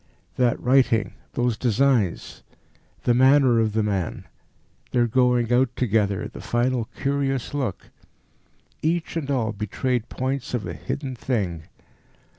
That writing, those designs, the manner of the man, their going out together, the final curious look each and all betrayed points of a hidden thing.